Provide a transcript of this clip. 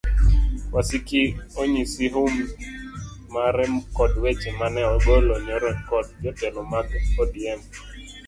Wasiki onyiso hum mare kod weche mane ogol nyoro kod jotelo mag odm